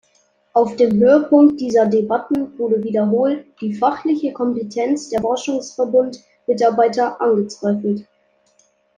Auf dem Höhepunkt dieser Debatten wurde wiederholt die fachliche Kompetenz der Forschungsverbund-Mitarbeiter angezweifelt.